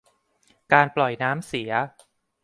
การปล่อยน้ำเสีย